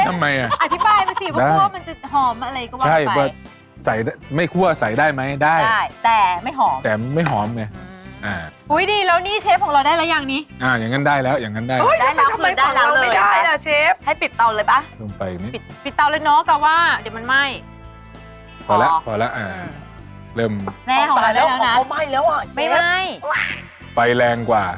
ถั่วใส่ได้ไหมได้ได้แต่ไม่หอมแต่ไม่หอมไงอ่าอุ้ยดีแล้วนี่เชฟของเราได้แล้วอย่างนี้อ่าอย่างนั้นได้แล้วอย่างนั้นได้เอ้ยทำไมฝั่วเราไม่ได้ละเชฟให้ปิดเตาเลยปะปิดเตาเลยเนอะกาว่าเดี๋ยวมันไหม้พอแล้วพอแล้วอ่าเริ่มแม่ของเราได้แล้วนะของเขาไหม้แล้วอ่ะไม่ไหม้ไฟแรงกว่า